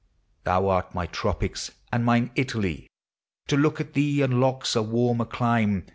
Thou art my tropics and mine Italy; To look at thee unlocks a warmer clime